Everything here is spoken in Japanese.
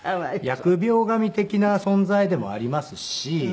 疫病神的な存在でもありますし。